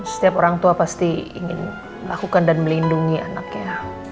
setiap orang tua pasti ingin lakukan dan melindungi anaknya